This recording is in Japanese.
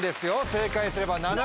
正解すれば。